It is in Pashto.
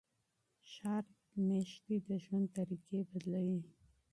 ښار میشتي د ژوند طریقې بدلوي.